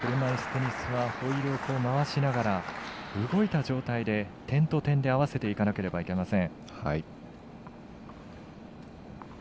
しかもこの車いすテニスはホイールを回しながら動いた状態で点と、点で合わせていかなければなりません。